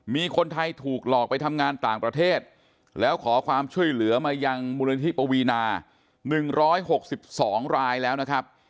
มีคนไทยถูกหลอกไปทำงานต่างประเทศแล้วขอความช่วยเหลือมายังมูลนิธิปวีนา๑๖๒รายแล้วนะครับ